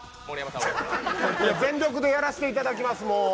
全力でやらせていただきます。